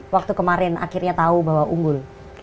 waktu kemarin akhirnya tahu bahwa unggul